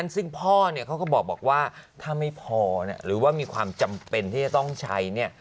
ซึ่งพ่อเนี่ยเขาก็บอกว่าถ้าไม่พอหรือว่ามีความจำเป็นที่จะต้องใช้เนี่ย